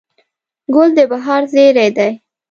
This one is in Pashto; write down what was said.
ګل د بهار زېری دی.